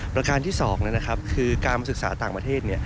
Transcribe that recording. ประการที่๒คือการศึกษาต่างประเทศ